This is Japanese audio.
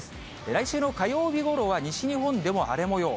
来週の火曜日ごろは、西日本でも荒れもよう。